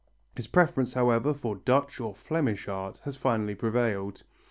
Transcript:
His preference, however, for Dutch or Flemish art has finally prevailed.